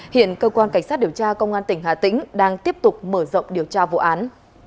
hiện cơ quan cảnh sát điều tra công an tỉnh hà tĩnh đang tiếp tục mở rộng điều tra vụ án